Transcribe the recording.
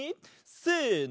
せの！